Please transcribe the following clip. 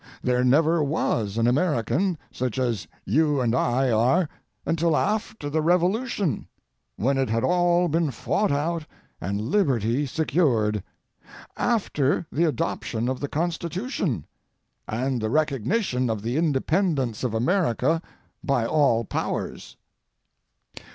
There never was an American such as you and I are until after the Revolution, when it had all been fought out and liberty secured, after the adoption of the Constitution, and the recognition of the Independence of America by all powers.